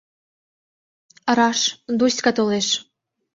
Раш, Дуська толеш.